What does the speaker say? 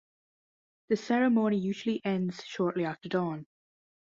This ceremony usually ends shortly after dawn.